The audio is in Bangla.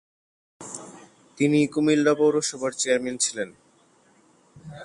তিনি কুমিল্লা পৌরসভার চেয়ারম্যান ছিলেন।